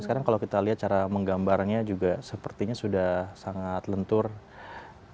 sekarang kalau kita lihat cara menggambarnya juga sepertinya menarik